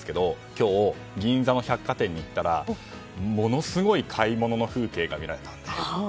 今日、銀座の百貨店に行ったらものすごい買い物の風景が見られたんで。